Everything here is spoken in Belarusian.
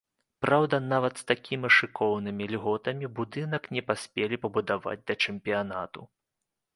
Праўда, нават з такімі шыкоўнымі льготамі будынак не паспелі пабудаваць да чэмпіянату.